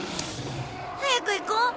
早く行こう！